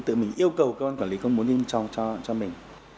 tự mình yêu cầu cơ quan quản lý công bố thông tin cho mình